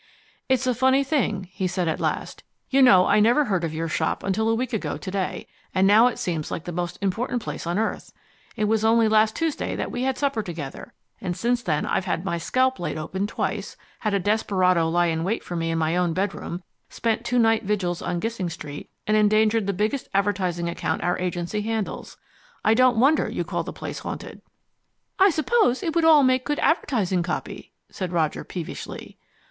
"It's a funny thing," he said at last. "You know I never heard of your shop until a week ago to day, and now it seems like the most important place on earth. It was only last Tuesday that we had supper together, and since then I've had my scalp laid open twice, had a desperado lie in wait for me in my own bedroom, spent two night vigils on Gissing Street, and endangered the biggest advertising account our agency handles. I don't wonder you call the place haunted!" "I suppose it would all make good advertising copy?" said Roger peevishly.